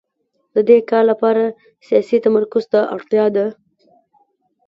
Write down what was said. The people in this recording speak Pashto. د دې کار لپاره سیاسي تمرکز ته اړتیا ده